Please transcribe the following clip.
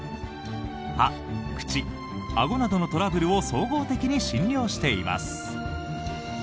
歯、口、あごなどのトラブルを総合的に診療しています。